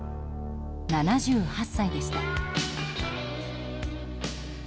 ７８歳でした。